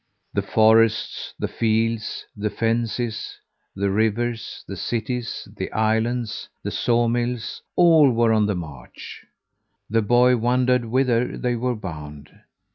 The forests, the fields, the fences, the rivers, the cities, the islands, the sawmills all were on the march. The boy wondered whither they were bound.